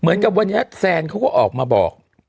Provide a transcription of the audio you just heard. เหมือนกับวันนี้แซนเขาก็ออกมาบอก